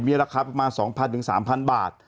มีราคาประมาณ๒๐๐๓๐๐บาท